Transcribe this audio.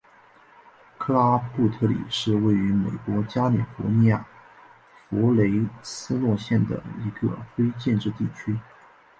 克拉布特里是位于美国加利福尼亚州弗雷斯诺县的一个非建制地区。